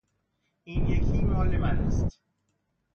این یکی مال من است.